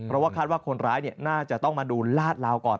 เพราะว่าคาดว่าคนร้ายน่าจะต้องมาดูลาดลาวก่อน